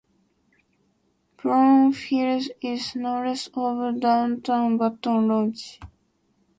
Brownfields is northeast of downtown Baton Rouge.